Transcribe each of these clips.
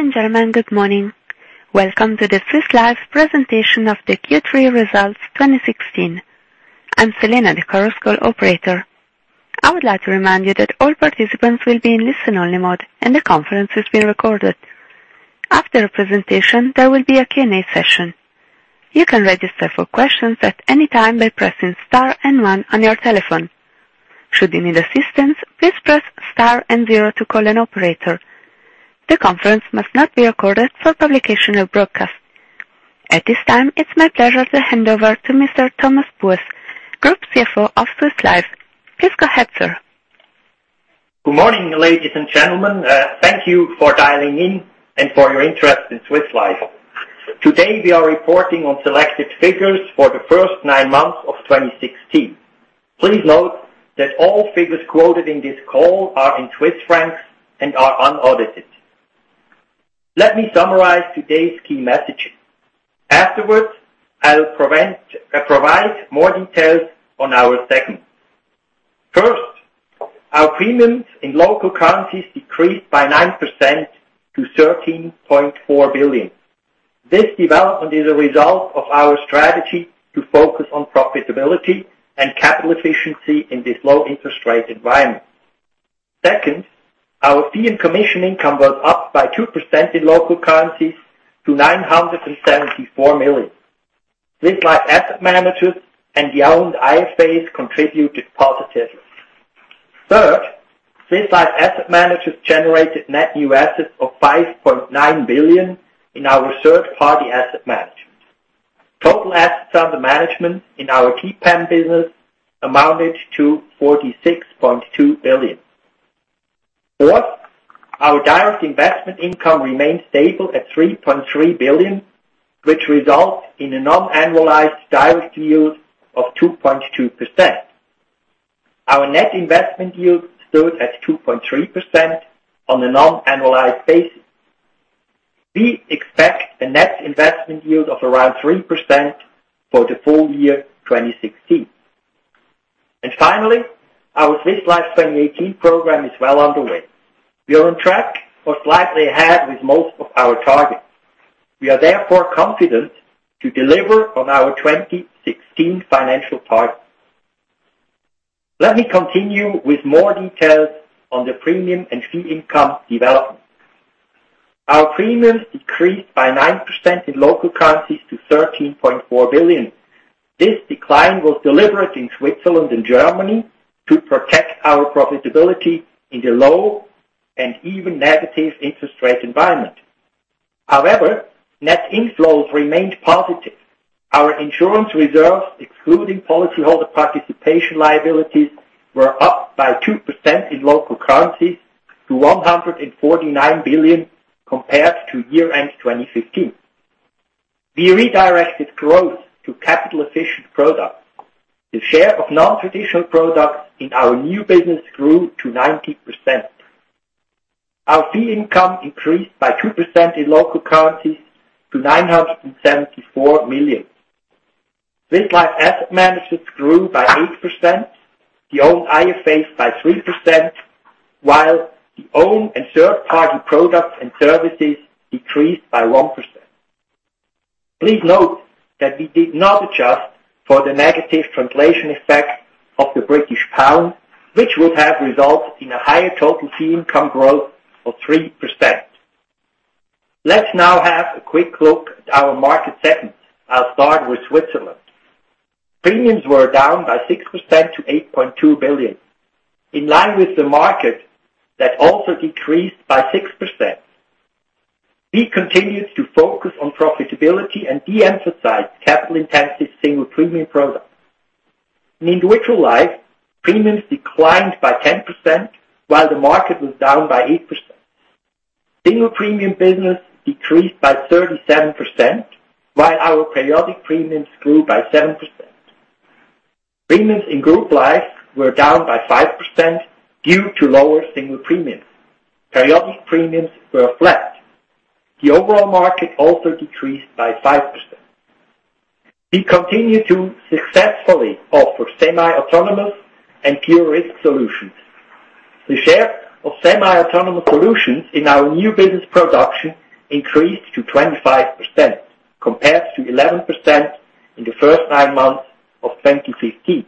Ladies and gentlemen, good morning. Welcome to the Swiss Life presentation of the Q3 results 2016. I'm Selena, the conference call operator. I would like to remind you that all participants will be in listen-only mode, and the conference is being recorded. After the presentation, there will be a Q&A session. You can register for questions at any time by pressing star and one on your telephone. Should you need assistance, please press star and zero to call an operator. The conference must not be recorded for publication or broadcast. At this time, it's my pleasure to hand over to Mr. Thomas Buess, Group CFO of Swiss Life. Please go ahead, sir. Good morning, ladies and gentlemen. Thank you for dialing in and for your interest in Swiss Life. Today, we are reporting on selected figures for the first nine months of 2016. Please note that all figures quoted in this call are in CHF and are unaudited. Let me summarize today's key messages. Afterwards, I'll provide more details on our segment. First, our premiums in local currencies decreased by 9% to 13.4 billion. This development is a result of our strategy to focus on profitability and capital efficiency in this low interest rate environment. Second, our fee and commission income was up by 2% in local currencies to 974 million. Swiss Life Asset Managers and the owned IFAs contributed positively. Third, Swiss Life Asset Managers generated net new assets of 5.9 billion in our third-party asset management. Total assets under management in our TPAM business amounted to 46.2 billion. Fourth, our direct investment income remained stable at 3.3 billion, which results in a non-annualized direct yield of 2.2%. Our net investment yield stood at 2.3% on a non-annualized basis. We expect a net investment yield of around 3% for the full year 2016. Finally, our Swiss Life 2018 program is well underway. We are on track or slightly ahead with most of our targets. We are therefore confident to deliver on our 2016 financial targets. Let me continue with more details on the premium and fee income development. Our premiums decreased by 9% in local currencies to 13.4 billion. This decline was deliberate in Switzerland and Germany to protect our profitability in the low and even negative interest rate environment. However, net inflows remained positive. Our insurance reserves, excluding policyholder participation liabilities, were up by 2% in local currencies to 149 billion compared to year-end 2015. We redirected growth to capital-efficient products. The share of non-traditional products in our new business grew to 90%. Our fee income increased by 2% in local currencies to 974 million. Swiss Life Asset Managers grew by 8%, the owned IFAs by 3%, while the owned and third-party products and services decreased by 1%. Please note that we did not adjust for the negative translation effect of the British pound, which would have resulted in a higher total fee income growth of 3%. Let's now have a quick look at our market segment. I'll start with Switzerland. Premiums were down by 6% to 8.2 billion, in line with the market that also decreased by 6%. We continued to focus on profitability and de-emphasize capital intensive single premium products. In individual life, premiums declined by 10%, while the market was down by 8%. Single premium business decreased by 37%, while our periodic premiums grew by 7%. Premiums in group life were down by 5% due to lower single premiums. Periodic premiums were flat. The overall market also decreased by 5%. We continued to successfully offer semi-autonomous and pure risk solutions. The share of semi-autonomous solutions in our new business production increased to 25%, compared to 11% in the first nine months of 2015.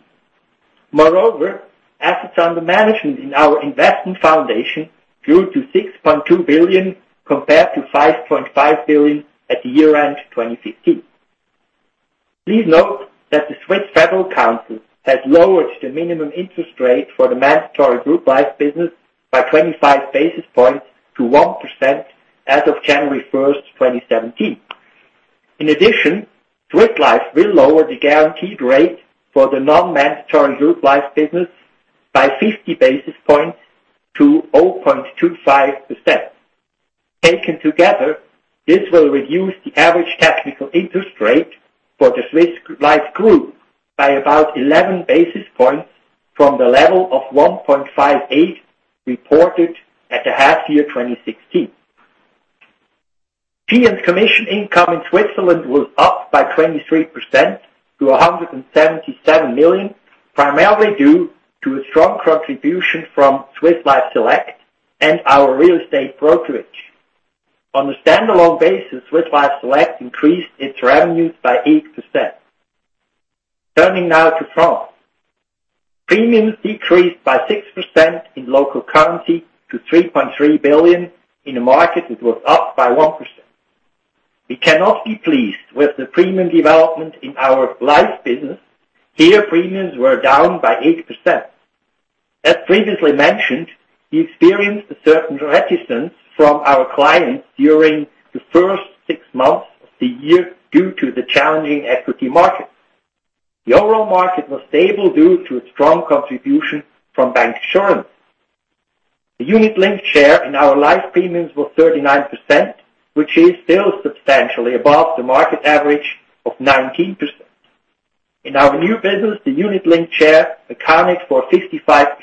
Moreover, assets under management in our investment foundation grew to 6.2 billion compared to 5.5 billion at year-end 2015. Please note that the Swiss Federal Council has lowered the minimum interest rate for the mandatory group life business by 25 basis points to 1% as of January 1, 2017. In addition, Swiss Life will lower the guaranteed rate for the non-mandatory group life business by 50 basis points to 0.25%. Taken together, this will reduce the average technical interest rate for the Swiss Life Group by about 11 basis points from the level of 1.58 reported at the half year 2016. Fee and commission income in Switzerland was up by 23% to 177 million, primarily due to a strong contribution from Swiss Life Select and our real estate brokerage. On a standalone basis, Swiss Life Select increased its revenues by 8%. Turning now to France. Premiums decreased by 6% in local currency to 3.3 billion in a market that was up by 1%. We cannot be pleased with the premium development in our life business. Here, premiums were down by 8%. As previously mentioned, we experienced a certain reticence from our clients during the first six months of the year due to the challenging equity markets. The overall market was stable due to a strong contribution from bank insurance. The unit-linked share in our life premiums was 39%, which is still substantially above the market average of 19%. In our new business, the unit-linked share accounted for 55%.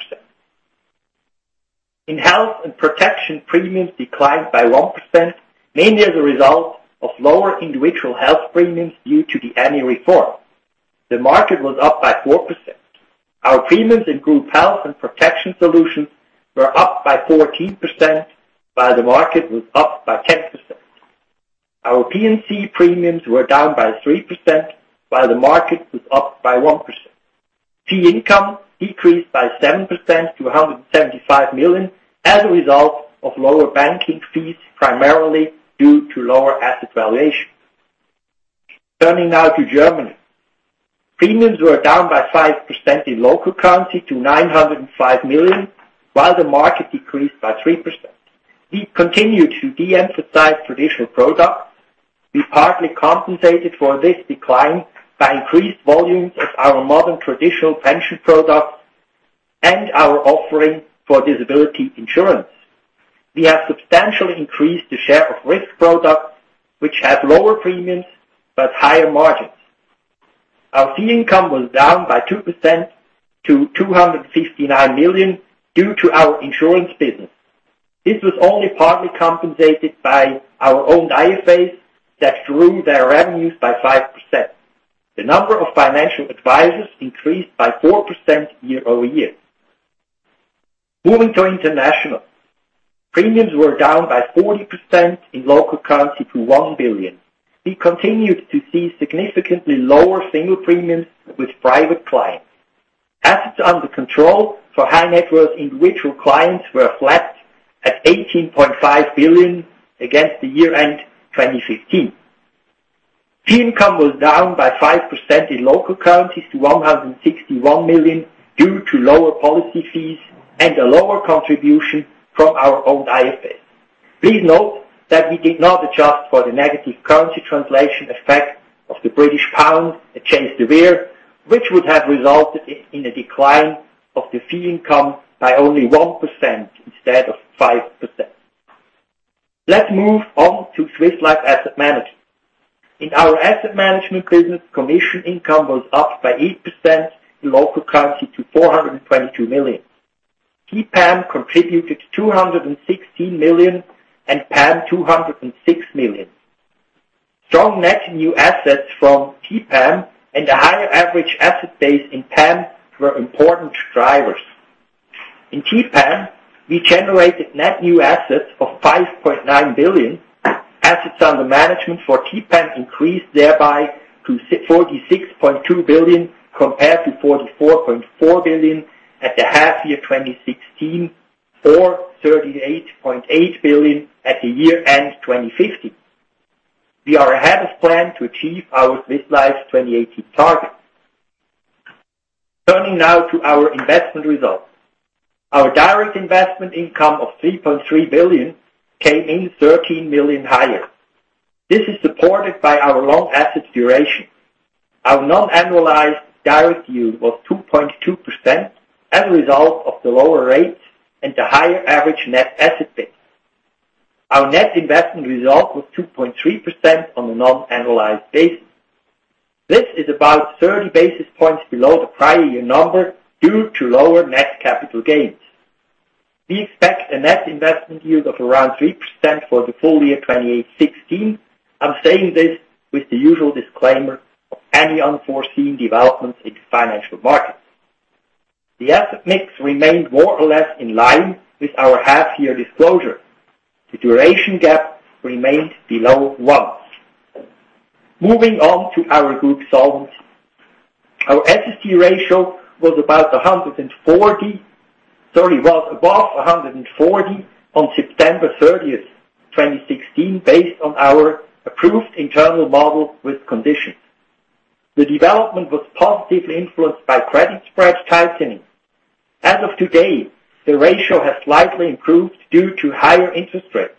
In health and protection, premiums declined by 1%, mainly as a result of lower individual health premiums due to the annual reform. The market was up by 4%. Our premiums in group health and protection solutions were up by 14%, while the market was up by 10%. Our P&C premiums were down by 3%, while the market was up by 1%. Fee income decreased by 7% to 175 million as a result of lower banking fees, primarily due to lower asset valuation. Turning now to Germany. Premiums were down by 5% in local currency to 905 million, while the market decreased by 3%. We continue to de-emphasize traditional products. We partly compensated for this decline by increased volumes of our modern traditional pension products and our offering for disability insurance. We have substantially increased the share of risk products, which have lower premiums but higher margins. Our fee income was down by 2% to 259 million due to our insurance business. This was only partly compensated by our own IFAs, that grew their revenues by 5%. The number of financial advisors increased by 4% year-over-year. Moving to international. Premiums were down by 40% in local currency to 1 billion. We continued to see significantly lower single premiums with private clients. Assets under control for high net worth individual clients were flat at 18.5 billion against the year-end 2015. Fee income was down by 5% in local currencies to 161 million due to lower policy fees and a lower contribution from our own IFAs. Please note that we did not adjust for the negative currency translation effect of the British pound against the EUR, which would have resulted in a decline of the fee income by only 1% instead of 5%. Let's move on to Swiss Life Asset Management. In our asset management business, commission income was up by 8% in local currency to 422 million. TPAM contributed 216 million and PAM 206 million. Strong net new assets from TPAM and a higher average asset base in PAM were important drivers. In TPAM, we generated net new assets of 5.9 billion. Assets under management for TPAM increased thereby to 46.2 billion, compared to 44.4 billion at the half year 2016 or 38.8 billion at the year-end 2015. We are ahead of plan to achieve our Swiss Life 2018 targets. Turning now to our investment results. Our direct investment income of 3.3 billion came in 13 million higher. This is supported by our long asset duration. Our non-annualized direct yield was 2.2% as a result of the lower rates and the higher average net asset base. Our net investment result was 2.3% on a non-annualized basis. This is about 30 basis points below the prior year number due to lower net capital gains. We expect a net investment yield of around 3% for the full year 2016. I'm saying this with the usual disclaimer of any unforeseen developments in financial markets. The asset mix remained more or less in line with our half year disclosure. The duration gap remained below one. Moving on to our group solvency. Our SST ratio was above 140% on September 30, 2016, based on our approved internal model with conditions. The development was positively influenced by credit spread tightening. As of today, the ratio has slightly improved due to higher interest rates.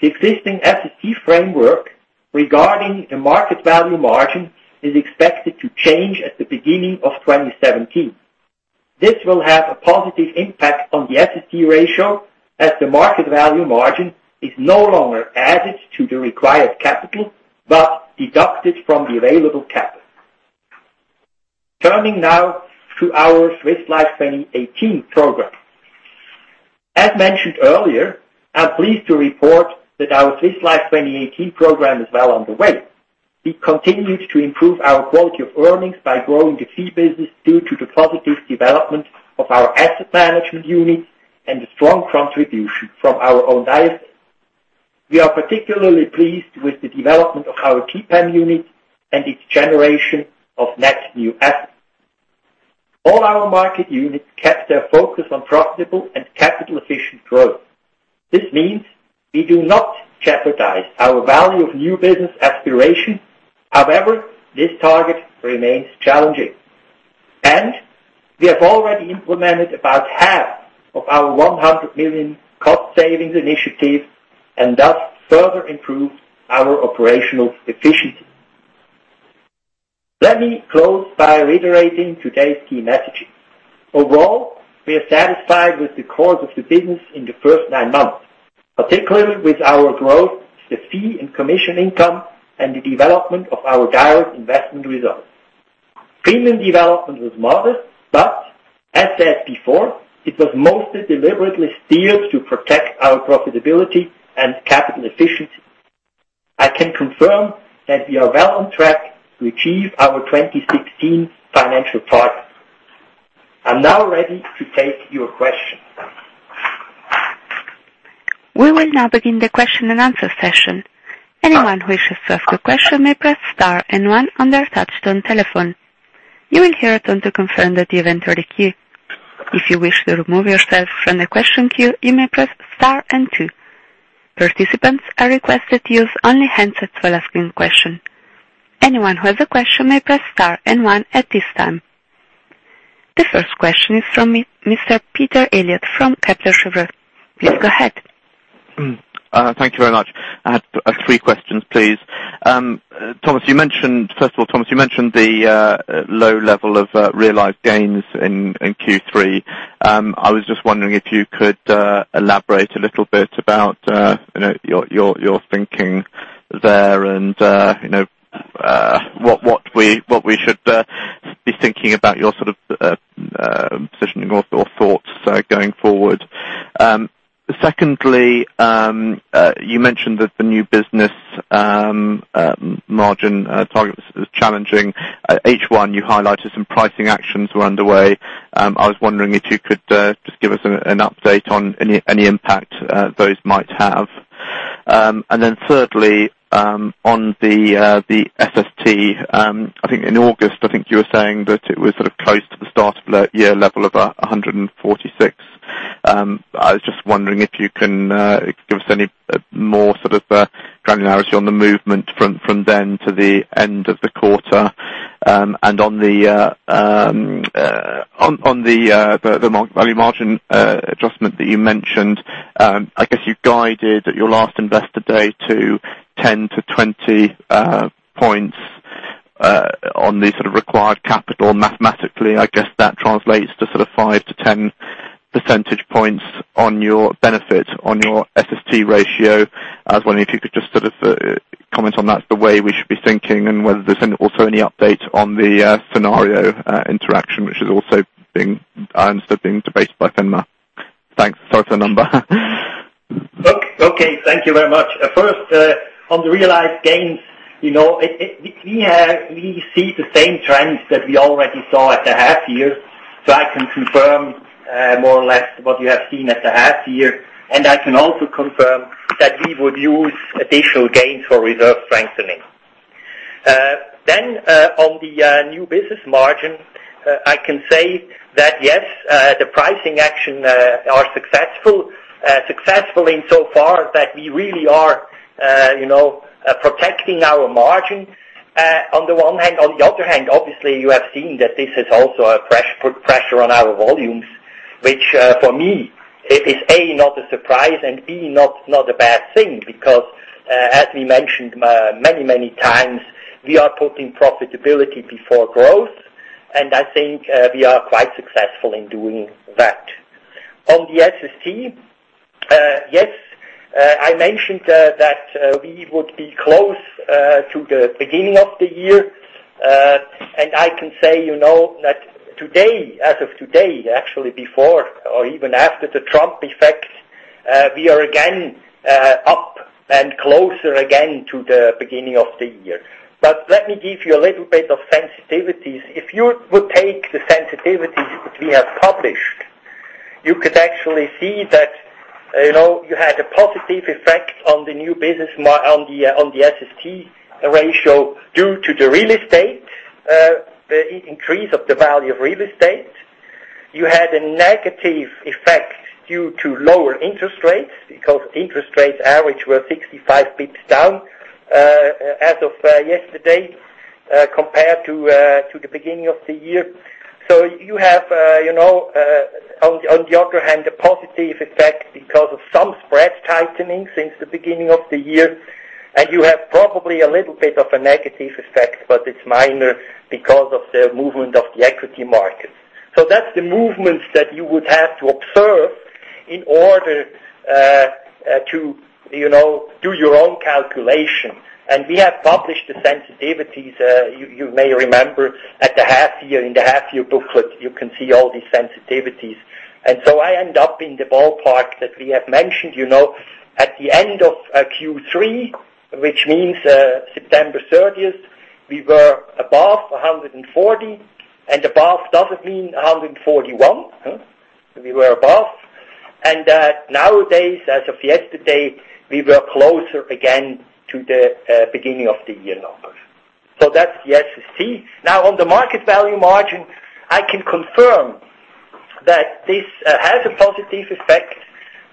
The existing SST framework regarding the market value margin is expected to change at the beginning of 2017. This will have a positive impact on the SST ratio as the market value margin is no longer added to the required capital but deducted from the available capital. Turning now to our Swiss Life 2018 program. As mentioned earlier, I'm pleased to report that our Swiss Life 2018 program is well underway. We continued to improve our quality of earnings by growing the fee business due to the positive development of our asset management unit and the strong contribution from our own IFAs. We are particularly pleased with the development of our TPAM unit and its generation of net new assets. All our market units kept their focus on profitable and capital-efficient growth. This means we do not jeopardize our value of new business aspiration. However, this target remains challenging. We have already implemented about half of our 100 million cost savings initiative and thus further improved our operational efficiency. Let me close by reiterating today's key messages. Overall, we are satisfied with the course of the business in the first nine months, particularly with our growth, the fee and commission income, and the development of our direct investment results. Premium development was modest, but as said before, it was mostly deliberately steered to protect our profitability and capital efficiency. I can confirm that we are well on track to achieve our 2016 financial targets. I'm now ready to take your questions. We will now begin the question and answer session. Anyone who wishes to ask a question may press star and one on their touch-tone telephone. You will hear a tone to confirm that you've entered a queue. If you wish to remove yourself from the question queue, you may press star and two. Participants are requested to use only handsets for asking question. Anyone who has a question may press star and one at this time. The first question is from Mr. Peter Eliot from Kepler Cheuvreux. Please go ahead. Thank you very much. I have three questions, please. First of all, Thomas, you mentioned the low level of realized gains in Q3. I was just wondering if you could elaborate a little bit about your thinking there and what we should be thinking about your positioning or thoughts going forward. Secondly, you mentioned that the new business margin target was challenging. H1, you highlighted some pricing actions were underway. I was wondering if you could just give us an update on any impact those might have. Thirdly, on the SST. I think in August, I think you were saying that it was close to the start of year level of 146. I was just wondering if you can give us any more granularity on the movement from then to the end of the quarter. On the value margin adjustment that you mentioned, I guess you guided at your last investor day to 10 to 20 points on the required capital. Mathematically, I guess that translates to five to 10 percentage points on your benefit on your SST ratio. I was wondering if you could just comment on that, the way we should be thinking and whether there's also any update on the scenario interaction, which is also being, I understand, being debated by FINMA. Thanks. Sorry for the number. Okay. Thank you very much. First, on the realized gains, we see the same trends that we already saw at the half year. I can confirm more or less what you have seen at the half year. I can also confirm that we would use additional gains for reserve strengthening. On the new business margin, I can say that, yes, the pricing action are successful. Successful in so far that we really are protecting our margin, on the one hand. On the other hand, obviously, you have seen that this is also a pressure on our volumes, which for me, it is, A, not a surprise, and B, not a bad thing. As we mentioned many times, we are putting profitability before growth, and I think we are quite successful in doing that. On the SST, yes, I mentioned that we would be close to the beginning of the year. I can say, as of today, actually before or even after the Trump effect, we are again up and closer again to the beginning of the year. Let me give you a little bit of sensitivities. If you would take the sensitivities that we have published, you could actually see that you had a positive effect on the new business on the SST ratio due to the real estate, increase of the value of real estate. You had a negative effect due to lower interest rates, because interest rates average were 65 basis points down as of yesterday compared to the beginning of the year. You have, on the other hand, a positive effect because of some spread tightening since the beginning of the year. You have probably a little bit of a negative effect, but it's minor because of the movement of the equity market. That's the movements that you would have to observe in order to do your own calculation. We have published the sensitivities, you may remember at the half year, in the half year booklet, you can see all these sensitivities. I end up in the ballpark that we have mentioned. At the end of Q3, which means September 30th, we were above 140, and above doesn't mean 141. We were above. Nowadays, as of yesterday, we were closer again to the beginning of the year numbers. That's the SST. Now, on the market value margin, I can confirm that this has a positive effect,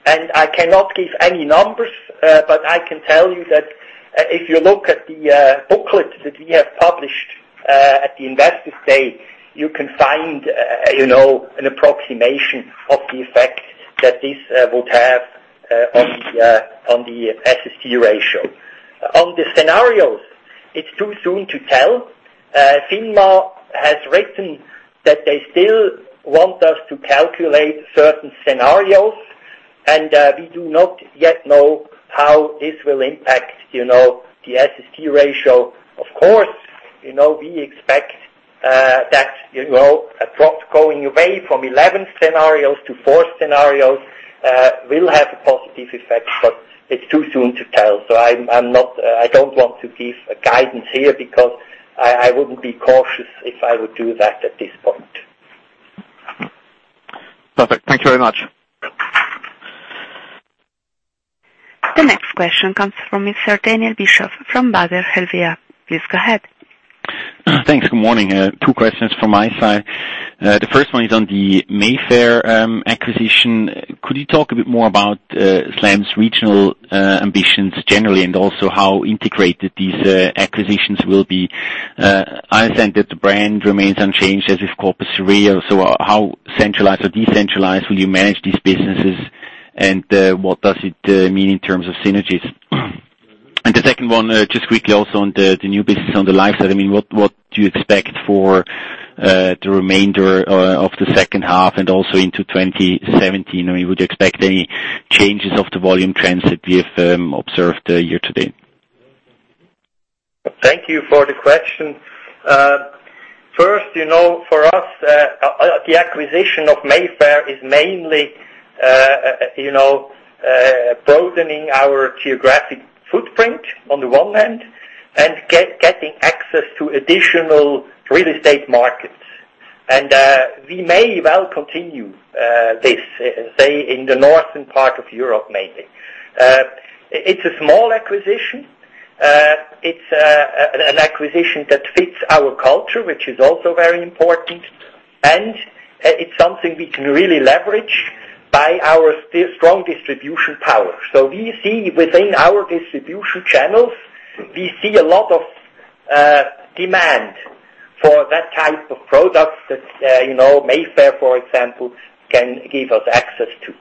and I cannot give any numbers. I can tell you that if you look at the booklet that we have published at the Investors Day, you can find an approximation of the effect that this would have on the SST ratio. On the scenarios, it's too soon to tell. FINMA has written that they still want us to calculate certain scenarios, and we do not yet know how this will impact the SST ratio. Of course, we expect that a drop going away from 11 scenarios to four scenarios will have a positive effect. It's too soon to tell, I don't want to give a guidance here because I wouldn't be cautious if I would do that at this point. Perfect. Thank you very much. The next question comes from Mr. Daniel Bischoff from Baader Helvea. Please go ahead. Thanks. Good morning. Two questions from my side. The first one is on the Mayfair acquisition. Could you talk a bit more about SLAM's regional ambitions generally, and also how integrated these acquisitions will be? I understand that the brand remains unchanged, as with CORPUS SIREO. How centralized or decentralized will you manage these businesses, and what does it mean in terms of synergies? The second one, just quickly also on the new business on the life side. What do you expect for the remainder of the second half and also into 2017? Would you expect any changes of the volume trends that we have observed year to date? Thank you for the question. First, for us, the acquisition of Mayfair is mainly broadening our geographic footprint on the one hand, and getting access to additional real estate markets. We may well continue this, say, in the northern part of Europe, maybe. It's a small acquisition. It's an acquisition that fits our culture, which is also very important. It's something we can really leverage by our strong distribution power. We see within our distribution channels, we see a lot of demand for that type of product that Mayfair, for example, can give us access to.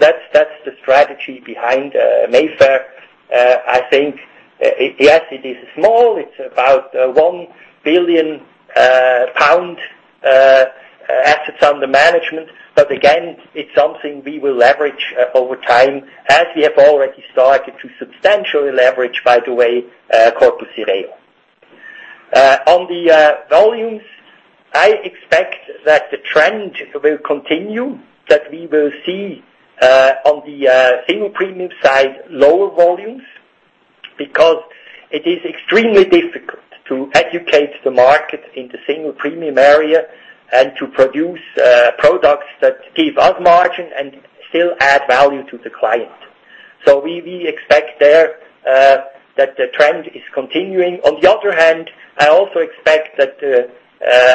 That's the strategy behind Mayfair. I think, yes, it is small. It's about 1 billion pound assets under management. Again, it's something we will leverage over time as we have already started to substantially leverage, by the way, CORPUS SIREO. On the volumes, I expect that the trend will continue, that we will see on the single premium side, lower volumes. It is extremely difficult to educate the market in the single premium area and to produce products that give us margin and still add value to the client. We expect there that the trend is continuing. On the other hand, I also expect that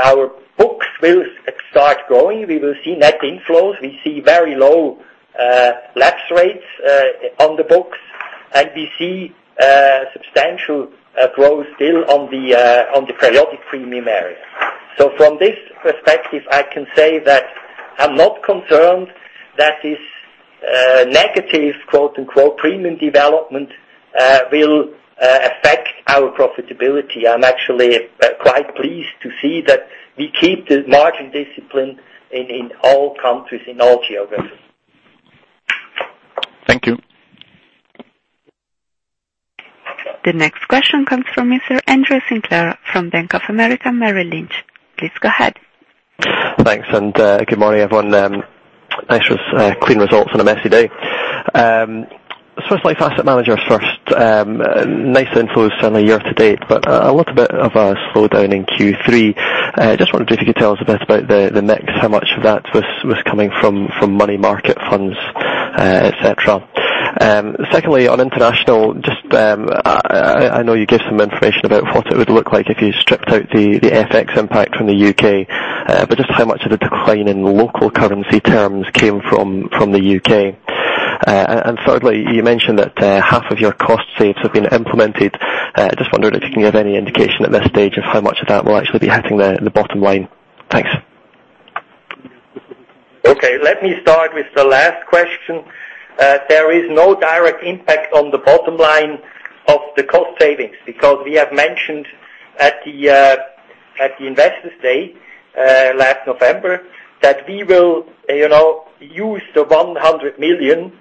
our books will start growing. We will see net inflows. We see very low lapse rates on the books, and we see substantial growth still on the periodic premium area. From this perspective, I can say that I'm not concerned that this negative, quote unquote, premium development will affect our profitability. I'm actually quite pleased to see that we keep the margin discipline in all countries, in all geographies. Thank you. The next question comes from Mr. Andrew Sinclair from Bank of America Merrill Lynch. Please go ahead. Thanks. Good morning, everyone. Nice clean results on a messy day. Swiss Life Asset Managers first. Nice inflows from a year to date, but a little bit of a slowdown in Q3. I just wondered if you could tell us a bit about the mix, how much of that was coming from money market funds, et cetera. Secondly, on international, I know you gave some information about what it would look like if you stripped out the FX impact from the U.K. But just how much of the decline in local currency terms came from the U.K.? Thirdly, you mentioned that half of your cost saves have been implemented. I just wondered if you can give any indication at this stage of how much of that will actually be hitting the bottom line. Thanks. Okay. Let me start with the last question. There is no direct impact on the bottom line of the cost savings, because we have mentioned at the Investors Day last November, that we will use the 100 million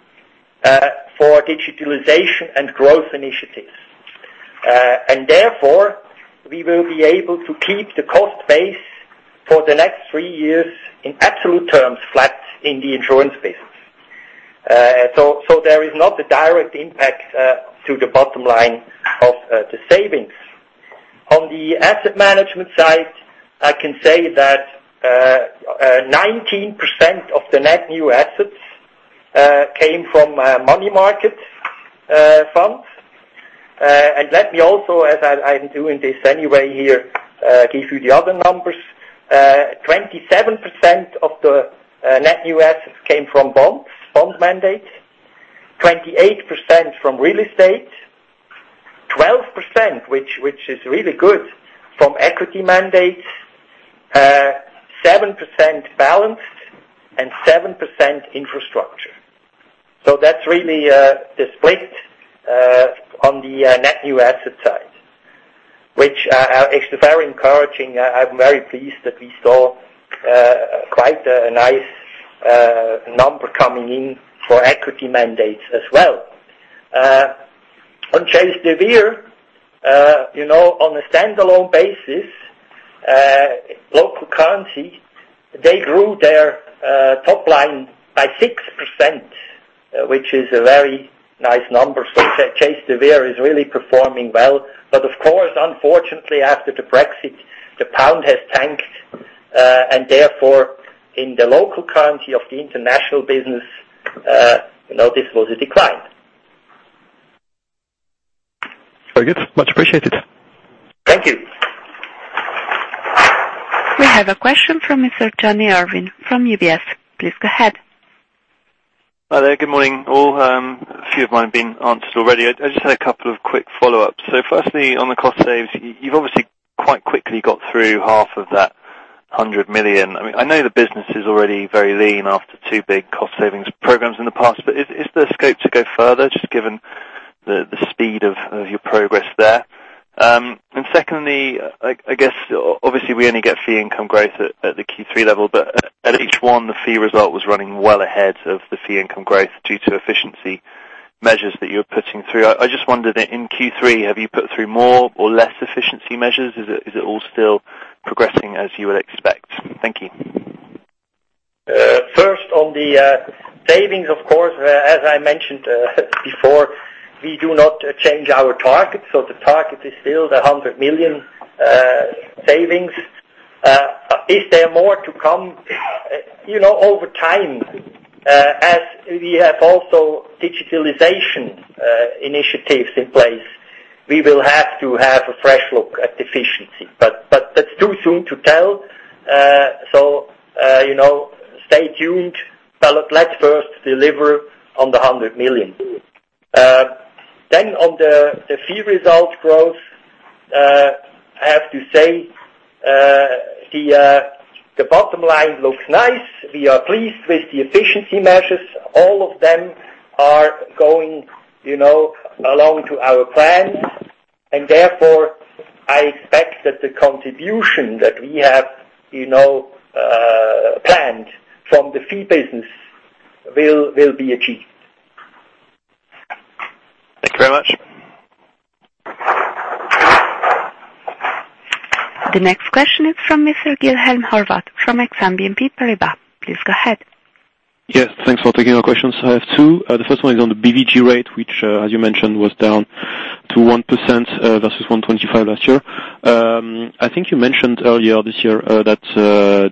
for digitalization and growth initiatives. Therefore, we will be able to keep the cost base for the next three years in absolute terms, flat in the insurance business. So there is not a direct impact to the bottom line of the savings. On the asset management side, I can say that 19% of the net new assets came from money market funds. Let me also, as I'm doing this anyway here, give you the other numbers. 27% of the net new assets came from bonds, bond mandate. 28% from real estate, 12%, which is really good, from equity mandates, 7% balanced, and 7% infrastructure. That's really the split on the net new asset side, which is very encouraging. I'm very pleased that we saw quite a nice number coming in for equity mandates as well. On Chase de Vere, on a standalone basis, local currency, they grew their top line by 6%, which is a very nice number. Chase de Vere is really performing well. Of course, unfortunately, after the Brexit, the pound has tanked, and therefore, in the local currency of the international business, this was a decline. Very good. Much appreciated. Thank you. We have a question from Mr. Johnny Irvine from UBS. Please go ahead. Hi there. Good morning, all. A few of mine have been answered already. I just had a couple of quick follow-ups. Firstly, on the cost saves, you've obviously quite quickly got through half of that 100 million. I know the business is already very lean after 2 big cost savings programs in the past, but is there scope to go further, just given the speed of your progress there? Secondly, I guess, obviously, we only get fee income growth at the Q3 level, but at H1, the fee result was running well ahead of the fee income growth due to efficiency measures that you're putting through. I just wondered, in Q3, have you put through more or less efficiency measures? Is it all still progressing as you would expect? Thank you. First, on the savings, of course, as I mentioned before, we do not change our target. The target is still the 100 million savings. Is there more to come? Over time, as we have also digitalization initiatives in place, we will have to have a fresh look at efficiency. That's too soon to tell. Stay tuned. Let's first deliver on the 100 million. On the fee result growth, I have to say, the bottom line looks nice. We are pleased with the efficiency measures. All of them are going along to our plan. Therefore, I expect that the contribution that we have planned from the fee business will be achieved. Thank you very much. The next question is from Mr. Guilherme Horvat from Exane BNP Paribas. Please go ahead. Yes. Thanks for taking our questions. I have two. The first one is on the BVG rate, which, as you mentioned, was down to 1% versus 1.25% last year. I think you mentioned earlier this year that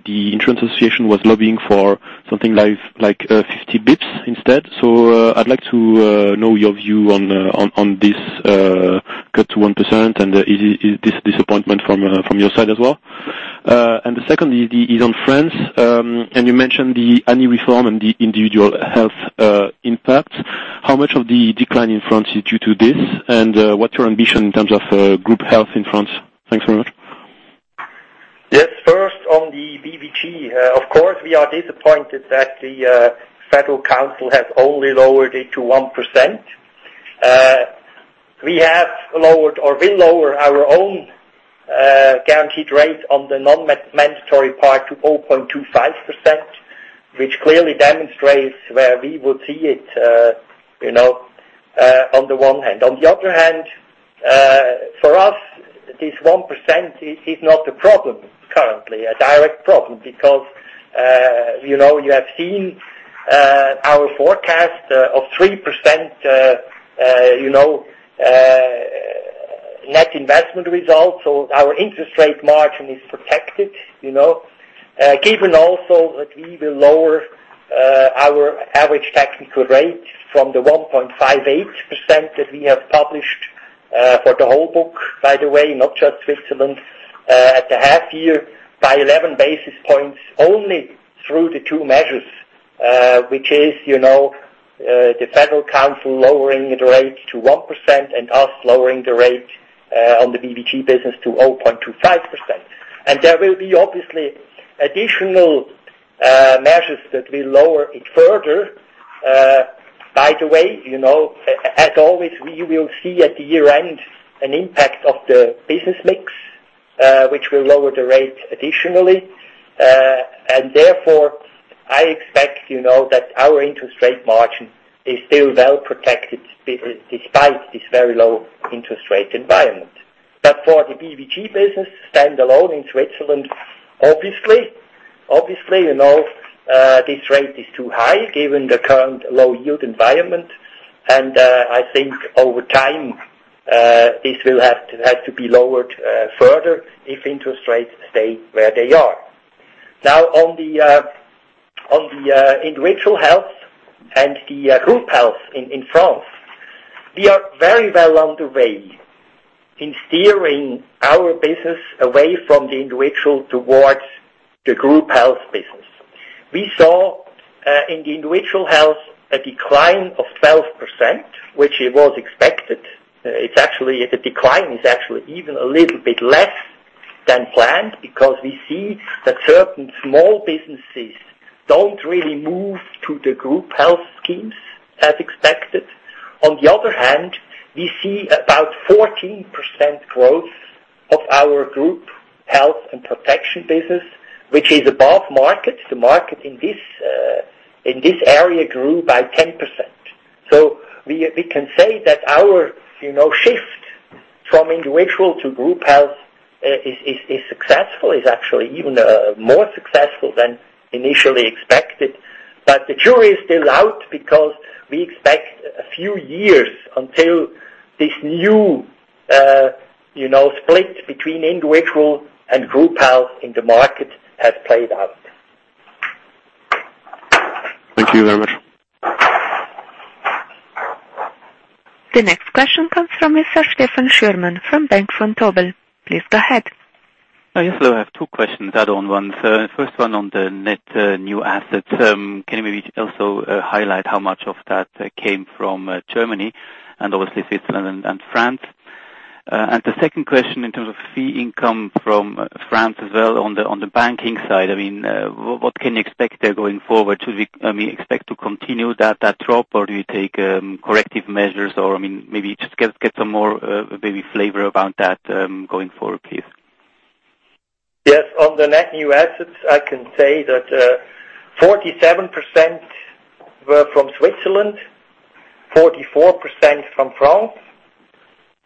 the Insurance Association was lobbying for something like 50 basis points instead. I'd like to know your view on this cut to 1%, and is this disappointment from your side as well? The second is on France. You mentioned the ANI reform and the individual health impact. How much of the decline in France is due to this? What's your ambition in terms of group health in France? Thanks very much. Yes. First, on the BVG, of course, we are disappointed that the Federal Council has only lowered it to 1%. We have lowered or we lower our own guaranteed rate on the non-mandatory part to 0.25%, which clearly demonstrates where we would see it on the one hand. On the other hand, for us, this 1% is not a problem currently, a direct problem, because you have seen our forecast of 3% net investment results, so our interest rate margin is protected. Given also that we will lower our average technical rate from the 1.58% that we have published for the whole book, by the way, not just Switzerland, at the half year by 11 basis points, only through the two measures, which is, the Federal Council lowering the rate to 1% and us lowering the rate on the BVG business to 0.25%. There will be obviously additional measures that will lower it further. By the way, as always, we will see at the year-end an impact of the business mix, which will lower the rate additionally. Therefore, I expect that our interest rate margin is still well-protected despite this very low interest rate environment. For the BVG business standalone in Switzerland, obviously, this rate is too high given the current low yield environment. I think over time, this will have to be lowered further if interest rates stay where they are. Now on the individual health and the group health in France. We are very well on the way in steering our business away from the individual towards the group health business. We saw, in the individual health, a decline of 12%, which it was expected. The decline is actually even a little bit less than planned because we see that certain small businesses don't really move to the group health schemes as expected. On the other hand, we see about 14% growth of our group health and protection business, which is above market. The market in this area grew by 10%. We can say that our shift from individual to group health is successful, is actually even more successful than initially expected. The jury is still out because we expect a few years until this new split between individual and group health in the market has played out. Thank you very much. The next question comes from Mr. Stefan Schürmann from Bank Vontobel. Please go ahead. Yes. Hello, I have two questions. First one on the net new assets. Can you maybe also highlight how much of that came from Germany and obviously Switzerland and France? The second question in terms of fee income from France as well on the banking side. What can you expect there going forward? Should we expect to continue that drop or do you take corrective measures or, maybe just get some more maybe flavor about that going forward, please. Yes. On the net new assets, I can say that 47% were from Switzerland, 44% from France,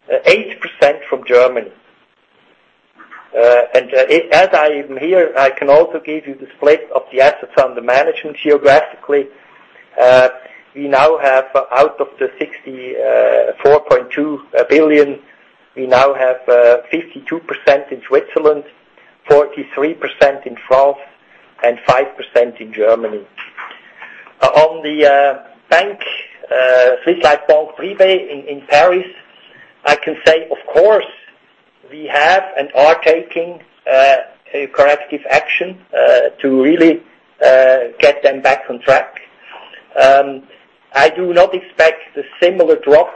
8% from Germany. As I am here, I can also give you the split of the assets under management geographically. Out of the 64.2 billion, we now have 52% in Switzerland, 43% in France, and 5% in Germany. On the bank, Swiss Life Banque Privée in Paris, I can say, of course, we have and are taking a corrective action to really get them back on track. I do not expect the similar drop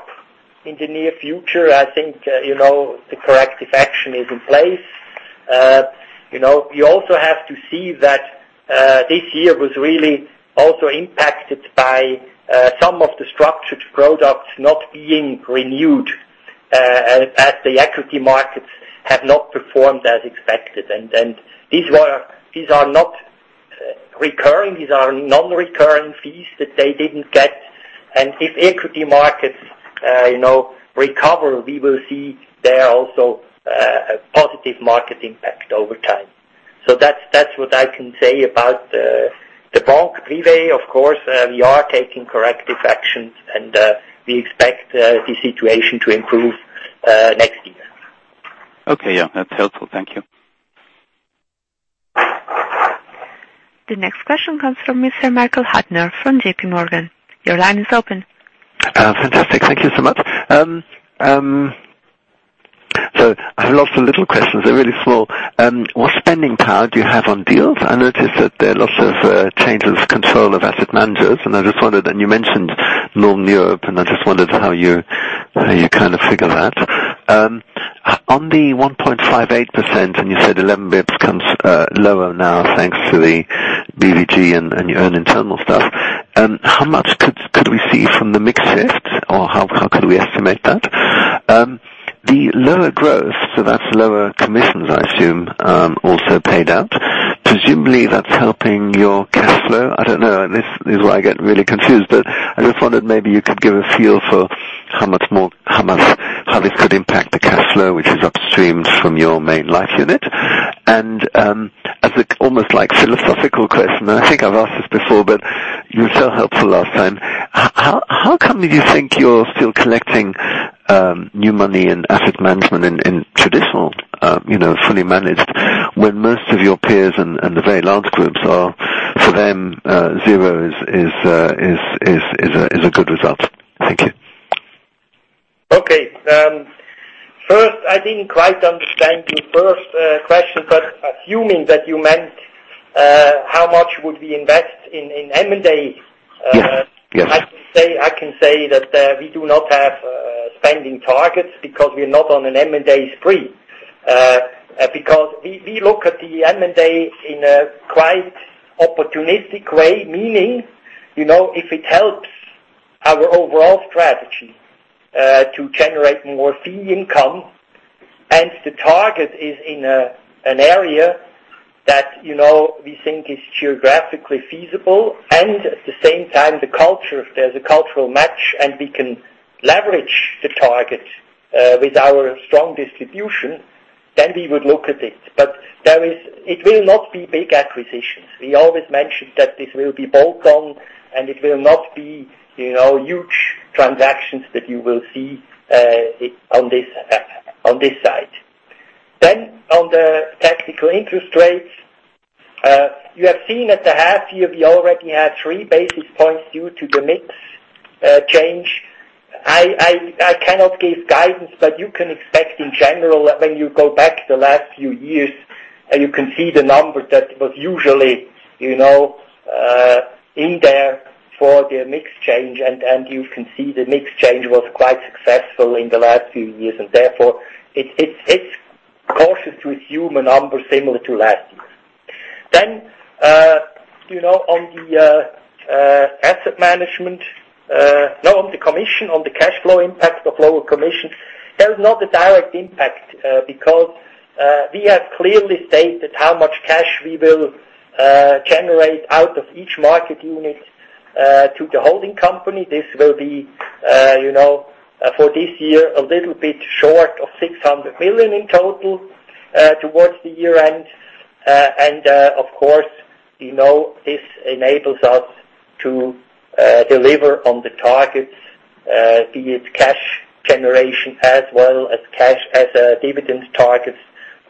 in the near future. I think the corrective action is in place. You also have to see that this year was really also impacted by some of the structured products not being renewed as the equity markets have not performed as expected. These are not recurring. These are non-recurring fees that they didn't get. If equity markets recover, we will see there also a positive market impact over time. That's what I can say about the Swiss Life Banque Privée. Of course, we are taking corrective actions and we expect the situation to improve next year. Okay. Yeah, that's helpful. Thank you. The next question comes from Mr. Michael Huttner from JPMorgan. Your line is open. Fantastic. Thank you so much. I have lots of little questions. They're really small. What spending power do you have on deals? I noticed that there are lots of changes of control of asset managers, and I just wondered, and you mentioned Northern Europe, and I just wondered how you figure that. On the 1.58%, and you said 11 basis points comes lower now, thanks to the BVG and your own internal stuff. How much could we see from the mix shift, or how could we estimate that? The lower growth, that's lower commissions I assume, also paid out. Presumably that's helping your cash flow. I don't know. This is where I get really confused. I just wondered maybe you could give a feel for how this could impact the cash flow, which is upstream from your main life unit. As almost like philosophical question, I think I've asked this before. You were so helpful last time. How come you think you're still collecting new money in asset management in traditional fully managed, when most of your peers and the very large groups are, for them, zero is a good result? Thank you. Okay. First, I didn't quite understand your first question. Assuming that you meant, how much would we invest in M&A. Yes I can say that we do not have spending targets because we're not on an M&A spree. We look at the M&A in a quite opportunistic way, meaning, if it helps our overall strategy, to generate more fee income and the target is in an area that we think is geographically feasible, and at the same time, there's a cultural match and we can leverage the target, with our strong distribution, then we would look at it. It will not be big acquisitions. We always mentioned that this will be bolt-on and it will not be huge transactions that you will see on this side. On the technical interest rates, you have seen at the half year, we already had three basis points due to the mix change. I cannot give guidance. You can expect in general, when you go back the last few years, you can see the numbers that was usually in there for the mix change. You can see the mix change was quite successful in the last few years, and therefore it's cautious to assume a number similar to last year. On the asset management, no, on the commission, on the cash flow impact of lower commission, there is not a direct impact, because, we have clearly stated how much cash we will generate out of each market unit, to the holding company. This will be, for this year, a little bit short of 600 million in total, towards the year end. Of course, this enables us to deliver on the targets, be it cash generation as well as dividends targets,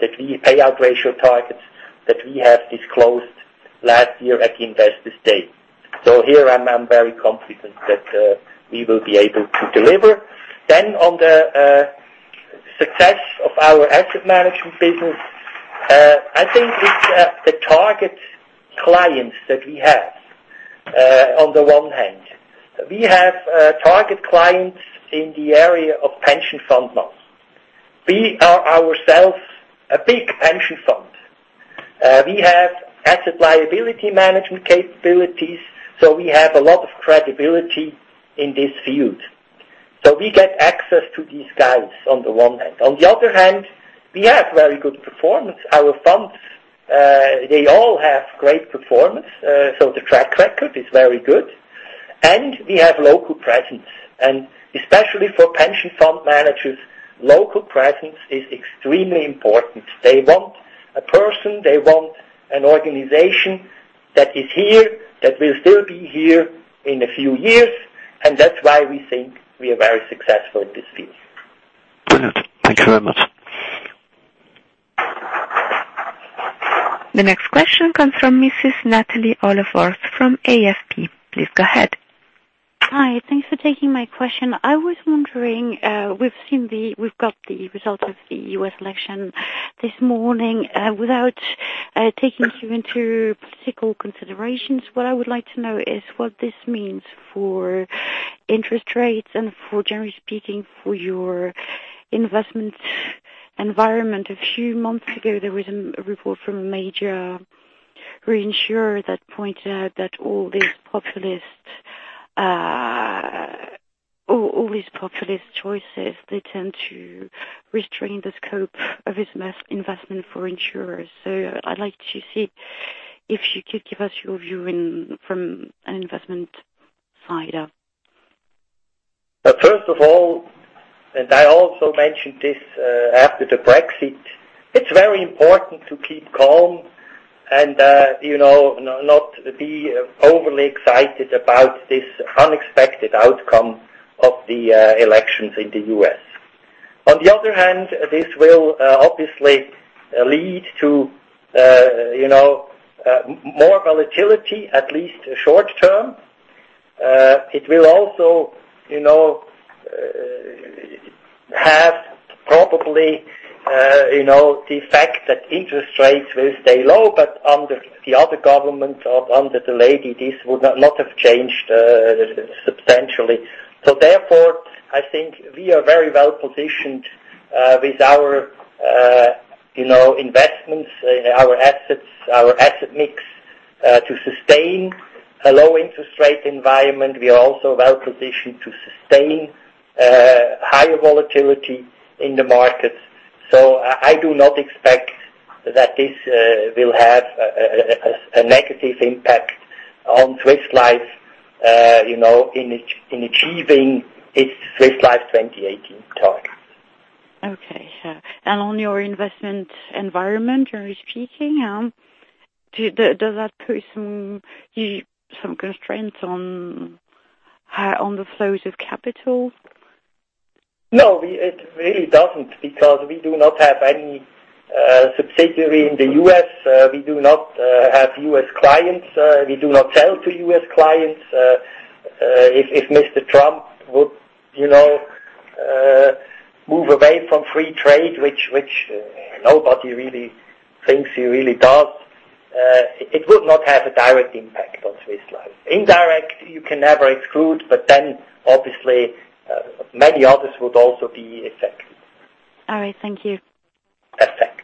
the payout ratio targets that we have disclosed last year at the investors day. Here I'm very confident that we will be able to deliver. On the success of our asset management business. I think it's the target clients that we have on the one hand. We have target clients in the area of pension fund now. We are ourselves a big pension fund. We have asset liability management capabilities, so we have a lot of credibility in this field. We get access to these guys on the one hand. On the other hand, we have very good performance. Our funds, they all have great performance. The track record is very good. We have local presence. Especially for pension fund managers, local presence is extremely important. They want a person, they want an organization that is here, that will still be here in a few years, and that's why we think we are very successful in this field. Brilliant. Thank you very much. The next question comes from Mrs. Natalie Ollervor from AFP. Please go ahead. Hi. Thanks for taking my question. I was wondering, we've got the results of the U.S. election this morning. Without taking you into political considerations, what I would like to know is what this means for interest rates and for generally speaking, for your investment environment. A few months ago, there was a report from a major insurer that pointed out that all these populist choices, they tend to restrain the scope of investment for insurers. I'd like to see if you could give us your view from an investment side. First of all, I also mentioned this, after the Brexit, it's very important to keep calm and not be overly excited about this unexpected outcome of the elections in the U.S. On the other hand, this will obviously lead to more volatility, at least short-term. It will also have probably the fact that interest rates will stay low, but under the other government or under the lady, this would not have changed substantially. Therefore, I think we are very well-positioned with our investments, our assets, our asset mix, to sustain a low interest rate environment. We are also well-positioned to sustain higher volatility in the markets. I do not expect that this will have a negative impact on Swiss Life in achieving its Swiss Life 2018 targets. Okay. On your investment environment, generally speaking, does that put some constraints on the flows of capital? No, it really doesn't because we do not have any subsidiary in the U.S. We do not have U.S. clients. We do not sell to U.S. clients. If Mr. Trump would move away from free trade, which nobody really thinks he really does. It will not have a direct impact on Swiss Life. Indirect, you can never exclude, obviously, many others would also be affected. All right. Thank you. Perfect.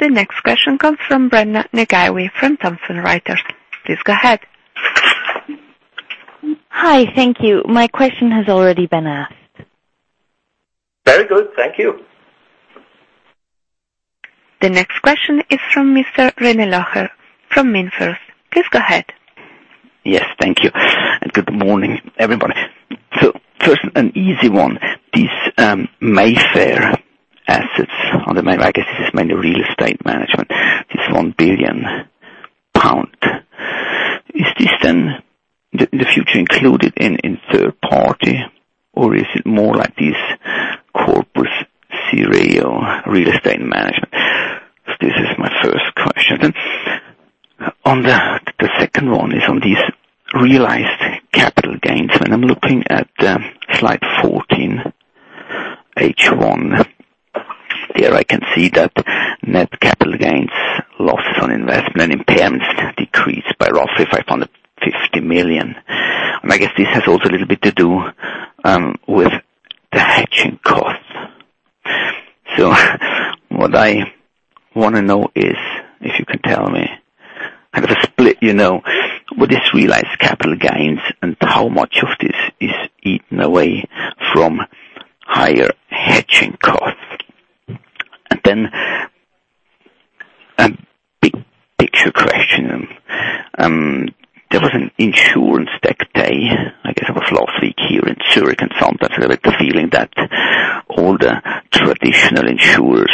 The next question comes from Brenda Ngaiwi from Thomson Reuters. Please go ahead. Hi. Thank you. My question has already been asked. Very good. Thank you. The next question is from Mr. René Locher from MainFirst. Please go ahead. Yes, thank you, and good morning, everybody. First, an easy one. These Mayfair assets under management, this is mainly real estate management, this 1 billion pound. Is this then the future included in third party, or is it more like this CORPUS SIREO real estate management? This is my first question. The second one is on these realized capital gains. When I'm looking at slide 14, H1. There I can see that net capital gains, losses on investment, impairments decreased by roughly 550 million. I guess this has also a little bit to do with the hedging costs. What I want to know is, if you can tell me, kind of a split with this realized capital gains and how much of this is eaten away from higher hedging costs. A big picture question. There was an InsurTech day, I guess it was last week here in Zurich. Sometimes I get the feeling that all the traditional insurers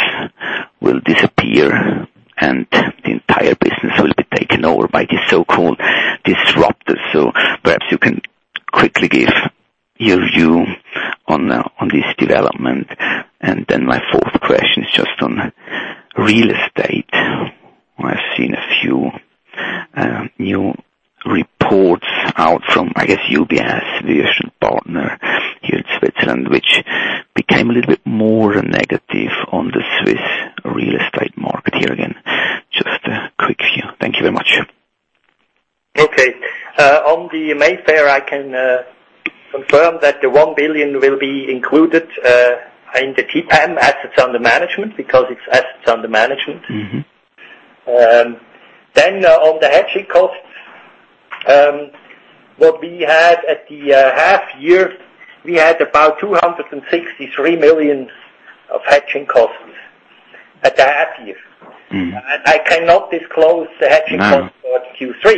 will disappear, and the entire business will be taken over by the so-called disruptors. Perhaps you can quickly give your view on this development. My fourth question is just on real estate. I've seen a few new reports out from, I guess, UBS, the usual partner here in Switzerland, which became a little bit more negative on the Swiss real estate market here again. Just a quick view. Thank you very much. Okay. On the Mayfair, I can confirm that the 1 billion will be included in the TPAM assets under management because it's assets under management. On the hedging costs, what we had at the half year, we had about 263 million of hedging costs at the half year. I cannot disclose the hedging costs. No For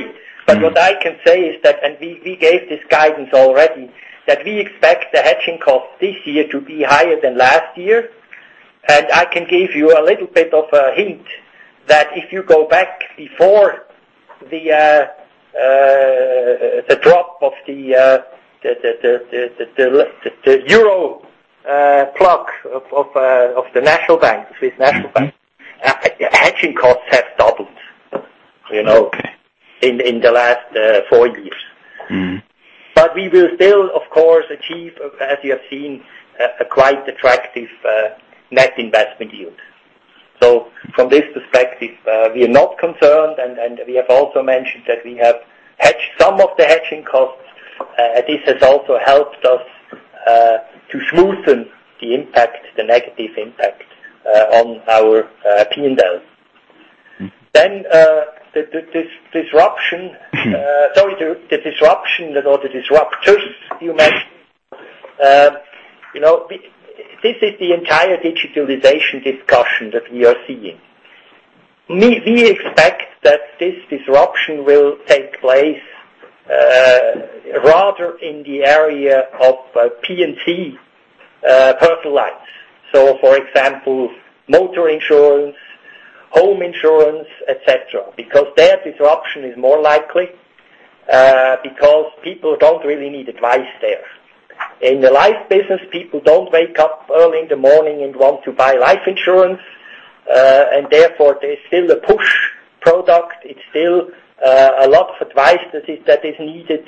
Q3. What I can say is that, we gave this guidance already, that we expect the hedging costs this year to be higher than last year. I can give you a little bit of a hint that if you go back before the drop of the euro peg of the Swiss National Bank. Hedging costs have doubled. Okay. In the last four years. We will still, of course, achieve, as you have seen, a quite attractive net investment yield. From this perspective, we are not concerned, and we have also mentioned that we have hedged some of the hedging costs. This has also helped us to smoothen the negative impact on our P&L. The disruption or the disruptors you mentioned. This is the entire digitalization discussion that we are seeing. We expect that this disruption will take place rather in the area of P&C, personal lines. For example, motor insurance, home insurance, et cetera, because there disruption is more likely, because people don't really need advice there. In the life business, people don't wake up early in the morning and want to buy life insurance. Therefore, there's still a push product. It's still a lot of advice that is needed.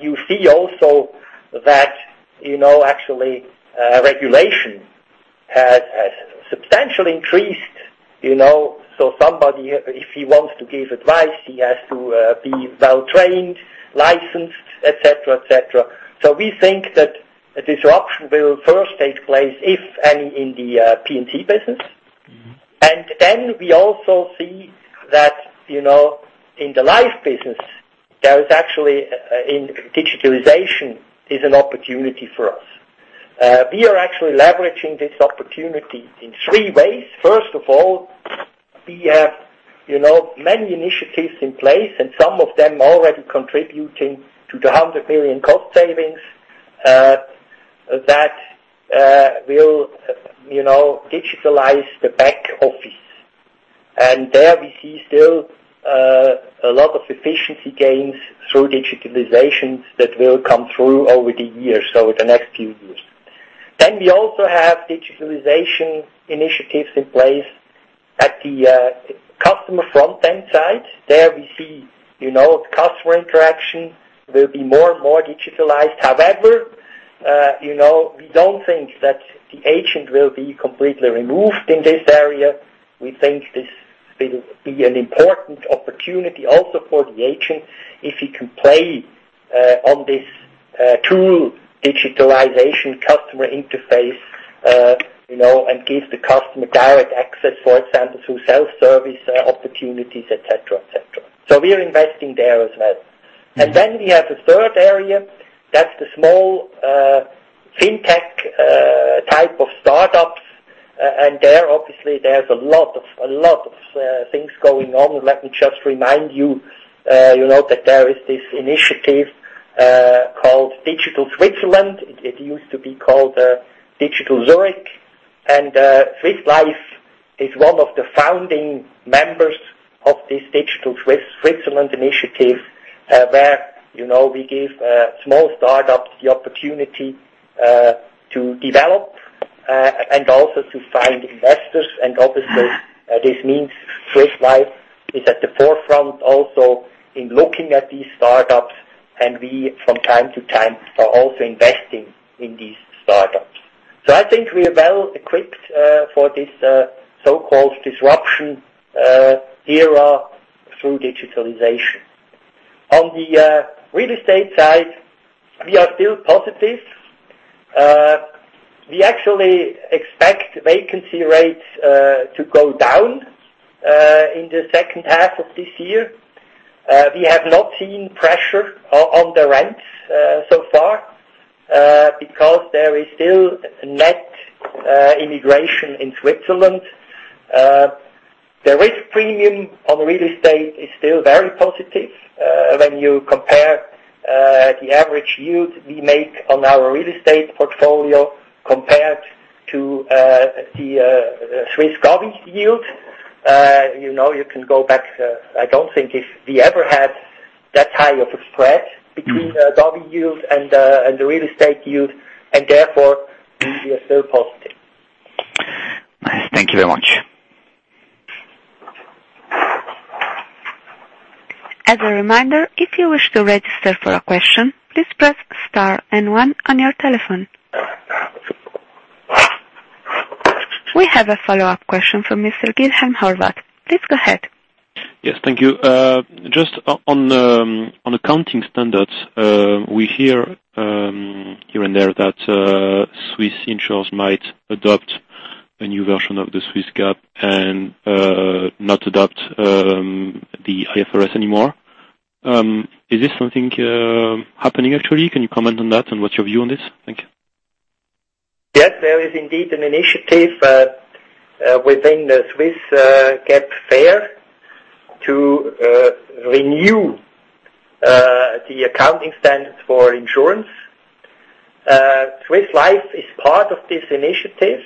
You see also that actually regulation has substantially increased. Somebody, if he wants to give advice, he has to be well-trained, licensed, et cetera. We think that a disruption will first take place, if any, in the P&C business. We also see that in the life business, actually digitalization is an opportunity for us. We are actually leveraging this opportunity in three ways. First of all, we have many initiatives in place, and some of them already contributing to the 100 million cost savings that will digitalize the back office. There we see still a lot of efficiency gains through digitalizations that will come through over the years. The next few years. We also have digitalization initiatives in place at the customer front-end side. There we see customer interaction will be more and more digitalized. We don't think that the agent will be completely removed in this area. We think this will be an important opportunity also for the agent, if he can play on this true digitalization customer interface, and give the customer direct access, for example, through self-service opportunities, et cetera. We are investing there as well. We have the third area, that's the small fintech type of startups. There, obviously, there's a lot of things going on. Let me just remind you that there is this initiative called digitalswitzerland. It used to be called Digital Zurich. Swiss Life is one of the founding members of this digitalswitzerland initiative, where we give small startups the opportunity to develop and also to find investors. Obviously, this means Swiss Life is at the forefront also in looking at these startups, and we, from time to time, are also investing in these startups. I think we are well-equipped for this so-called disruption era through digitalization. On the real estate side, we are still positive. We actually expect vacancy rates to go down in the second half of this year. We have not seen pressure on the rents so far because there is still net immigration in Switzerland. The risk premium on real estate is still very positive when you compare the average yield we make on our real estate portfolio compared to the Swiss gov yield. You can go back, I don't think if we ever had that high of a spread between the gov yield and the real estate yield. Therefore, we are still positive. Nice. Thank you very much. As a reminder, if you wish to register for a question, please press Star and One on your telephone. We have a follow-up question from Mr. Guilherme Horvat. Please go ahead. Yes. Thank you. Just on accounting standards. We hear here and there that Swiss insurers might adopt a new version of the Swiss GAAP and not adopt the IFRS anymore. Is this something happening actually? Can you comment on that and what's your view on this? Thank you. Yes, there is indeed an initiative within the Swiss GAAP FER to renew the accounting standards for insurance. Swiss Life is part of this initiative.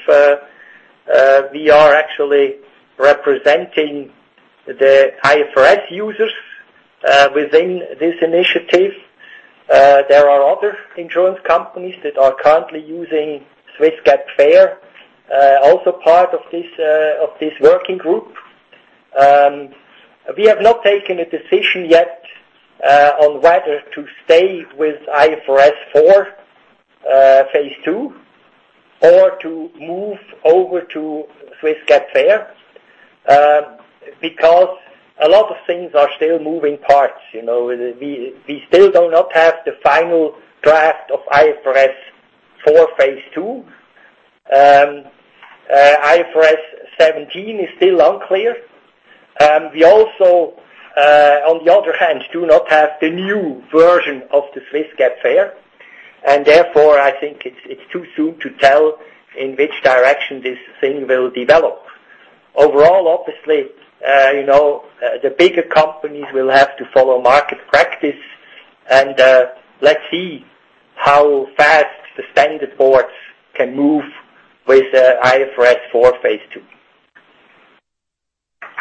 We are actually representing the IFRS users within this initiative. There are other insurance companies that are currently using Swiss GAAP FER, also part of this working group. We have not taken a decision yet on whether to stay with IFRS 4, phase two, or to move over to Swiss GAAP FER because a lot of things are still moving parts. We still do not have the final draft of IFRS 4, phase two. IFRS 17 is still unclear. We also, on the other hand, do not have the new version of the Swiss GAAP FER. Therefore, I think it's too soon to tell in which direction this thing will develop. Overall, obviously, the bigger companies will have to follow market practice. Let's see how fast the standard boards can move with IFRS 4, phase two.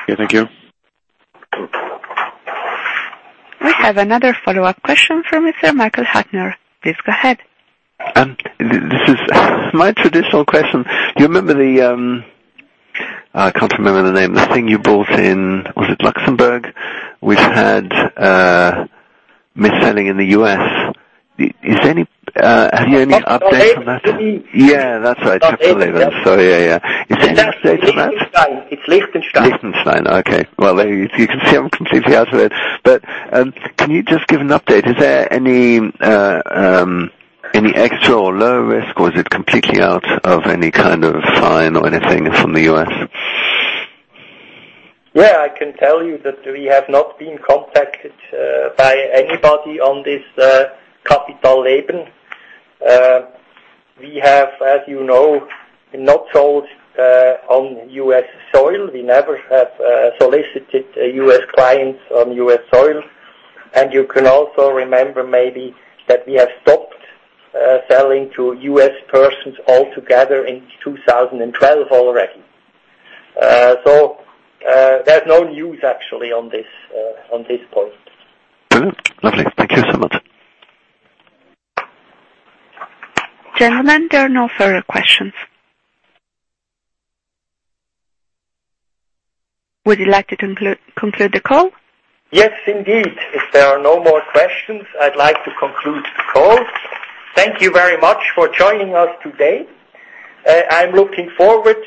Okay, thank you. We have another follow-up question from Mr. Michael Huttner. Please go ahead. This is my traditional question. Do you remember the I can't remember the name. The thing you bought in, was it Luxembourg? Which had mis-selling in the U.S. Have you any update on that? Yeah, that's right. Sorry. Yeah. Is there any update on that? It's Liechtenstein. Liechtenstein. Okay. Well, you can see I'm completely out of it. Can you just give an update? Is there any extra or low risk, or is it completely out of any kind of fine or anything from the U.S.? Yeah, I can tell you that we have not been contacted by anybody on this CapitalLeben. We have, as you know, not sold on U.S. soil. We never have solicited U.S. clients on U.S. soil. You can also remember maybe that we have stopped selling to U.S. persons altogether in 2012 already. There's no news actually on this point. Lovely. Thank you so much. Gentlemen, there are no further questions. Would you like to conclude the call? Yes, indeed. If there are no more questions, I'd like to conclude the call. Thank you very much for joining us today. I'm looking forward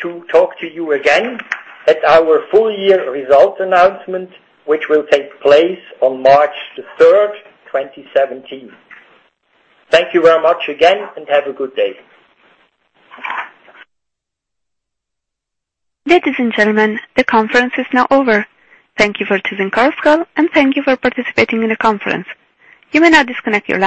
to talk to you again at our full year results announcement, which will take place on March the 3rd, 2017. Thank you very much again, have a good day. Ladies and gentlemen, the conference is now over. Thank you for choosing Chorus Call, and thank you for participating in the conference. You may now disconnect your lines